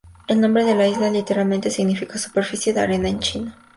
El nombre de la isla literalmente significa "superficie de arena" en chino.